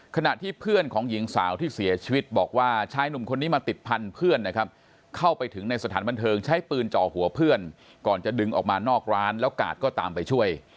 ขณะที่เพื่อนของหญิงสาวที่เสียชีวิตบอกว่าชายหนุ่มคนนี้มาติดพันธุ์เพื่อนนะครับเข้าไปถึงในสถานบันเทิงใช้ปืนจ่อหัวเพื่อนก่อนจะดึงออกมานอกร้านแล้วกาดก็ตามไปช่วย